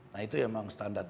nah itu memang standar